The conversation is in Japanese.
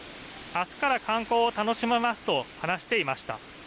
あすから観光を楽しみますと話していました。